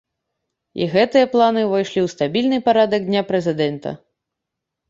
І гэтыя планы ўвайшлі ў стабільны парадак дня прэзідэнта.